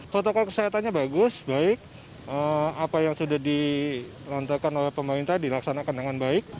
protokol kesehatannya bagus baik apa yang sudah dilantarkan oleh pemerintah dilaksanakan dengan baik